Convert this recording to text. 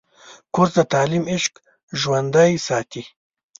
کورس د تعلیم عشق ژوندی ساتي.